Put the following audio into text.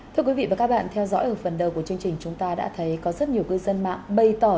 thưa quý vị và các bạn theo dõi ở phần đầu của chương trình chúng ta đã thấy có rất nhiều cư dân mạng bày tỏ